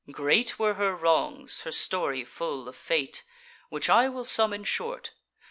Great were her wrongs, her story full of fate; Which I will sum in short.